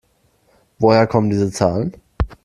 Woher kommen diese Zahlen?